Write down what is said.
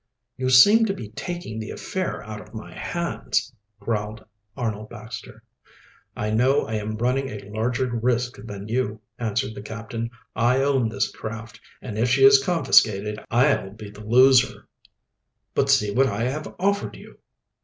"You seem to be taking the affair out of my hands," growled Arnold Baxter. "I know I am running a larger risk than you," answered the captain. "I own this craft, and if she is confiscated I'll be the loser." "But see what I have offered you."